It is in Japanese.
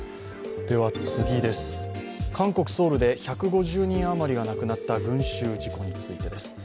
韓国・ソウルで１５０人余りが亡くなった群集事故についてです。